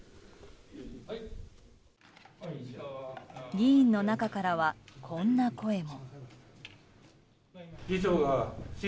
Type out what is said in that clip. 議員の中からはこんな声も。